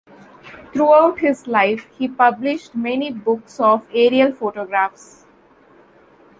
Throughout his life he published many books of aerial photographs.